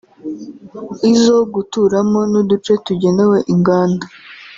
izo guturamo n’uduce tugenewe inganda